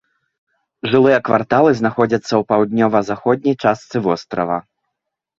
Жылыя кварталы знаходзяцца ў паўднёва-заходняй частцы вострава.